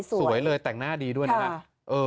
สวยเลยแต่งหน้าดีด้วยนะครับ